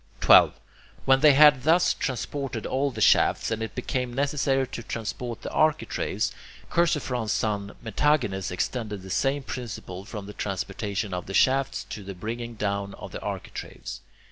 12. When they had thus transported all the shafts, and it became necessary to transport the architraves, Chersiphron's son Metagenes extended the same principle from the transportation of the shafts to the bringing down of the architraves.